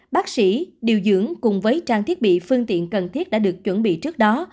bác sĩ điều dưỡng cùng với trang thiết bị phương tiện cần thiết đã được chuẩn bị trước đó